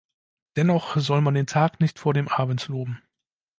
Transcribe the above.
Dennoch soll man den Tag nicht vor dem Abend loben.